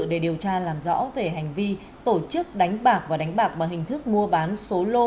để điều tra làm rõ về hành vi tổ chức đánh bạc và đánh bạc bằng hình thức mua bán số lô